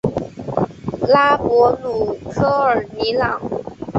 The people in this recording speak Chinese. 拉博姆科尔尼朗。